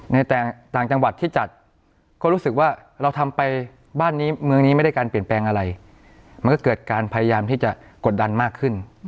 ในแต่ต่างจังหวัดที่จัดก็รู้สึกว่าเราทำไปบ้านนี้เมืองนี้ไม่ได้การเปลี่ยนแปลงอะไรมันก็เกิดการพยายามที่จะกดดันมากขึ้น